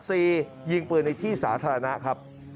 ยิงปืนในที่สาธารณะครับ